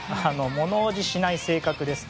物おじしない性格です。